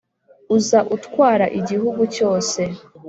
uza utwara igihugu cyose